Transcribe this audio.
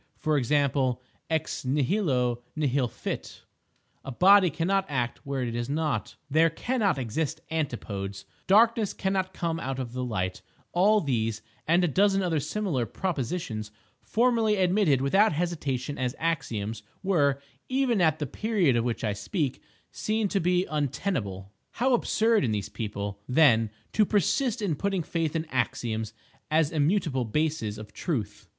For example—"Ex nihilo nihil fit"; "a body cannot act where it is not"; "there cannot exist antipodes"; "darkness cannot come out of light"—all these, and a dozen other similar propositions, formerly admitted without hesitation as axioms, were, even at the period of which I speak, seen to be untenable. How absurd in these people, then, to persist in putting faith in "axioms" as immutable bases of Truth!